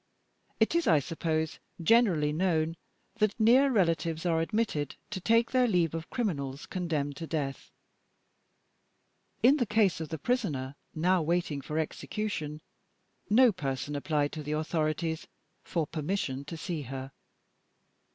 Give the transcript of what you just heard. It is, I suppose, generally known that near relatives are admitted to take their leave of criminals condemned to death. In the case of the Prisoner now waiting for execution, no person applied to the authorities for permission to see her.